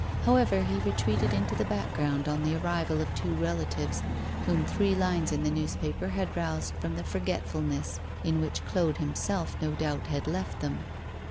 However, he retreated into the background on the arrival of two relatives, whom three lines in the newspapers had roused from the forgetfulness in which Claude himself, no doubt, had left them.